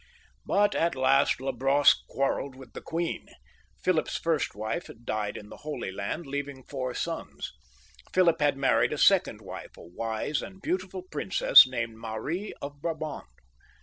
)jj( But at last La Brosse quarrelled with the queen. Philip's first wife had died in the Holy Land, leaving four 126 PHILIP III, (LE HARDI), [CH. .'■ r .... sons. Philip had married a second wife, a wise and beau tiful princess, named Marie of Brabant.